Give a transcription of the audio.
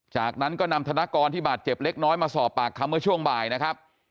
จากนั้นก็นำธนกรที่บาดเจ็บเล็กน้อยมาสอบปากคำเมื่อช่วงบ่ายนะครับ